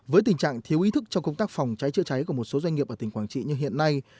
với tình trạng thiếu ý thức trong công tác phòng cháy chữa cháy của một số doanh nghiệp ở tỉnh quảng trị như hiện nay